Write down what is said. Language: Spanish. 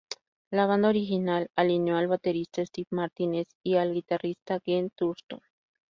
La banda original alineó al baterista Steve Martínez y al guitarrista Gene Thurston.